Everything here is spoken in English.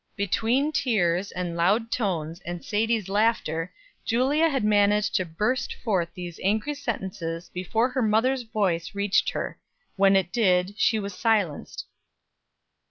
Between tears, and loud tones, and Sadie's laughter, Julia had managed to burst forth these angry sentences before her mother's voice reached her; when it did, she was silenced.